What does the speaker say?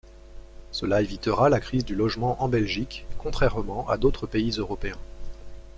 Cela évitera la crise du logement en Belgique, contrairement à d'autres pays européens.